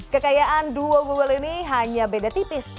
kekayaan dua google ini hanya beda tipis